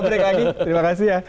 terima kasih ya